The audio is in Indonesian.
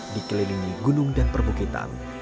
dikelilingi gunung dan perbukitan